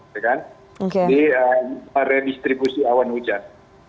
jadi redistribusi awan hujan